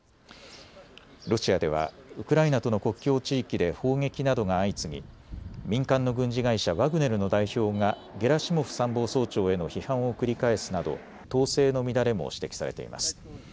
ロシアではウクライナとの国境地域で砲撃などが相次ぎ民間の軍事会社ワグネルの代表がゲラシモフ参謀総長への批判を繰り返すなど統制の乱れも指摘されています。